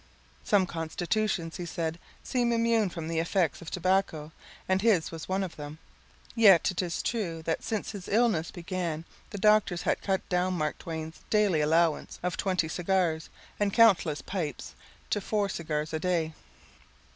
Some constitutions, he said, seem immune from the effects of tobacco, and his was one of them. Yet it is true that since his illness began the doctors had cut down Mark Twain's daily allowance of twenty cigars and countless pipes to four cigars a day.